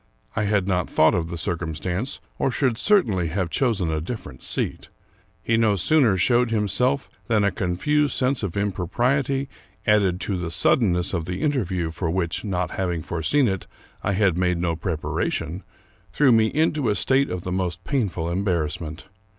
I had not thought of the circumstance, or should cer tainly have chosen a different seat. He no sooner showed himself, than a confused sense of impropriety, added to the suddenness of the interview, for which, not having foreseen it, I had made no preparation, threw me into a state of the most painful embarrassment.